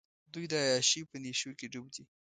دوۍ د عیاشۍ په نېشوکې ډوب دي.